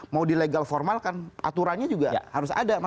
mau di legal formal kan aturannya juga harus ada